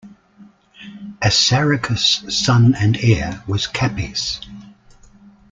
Assaracus' son and heir was Capys.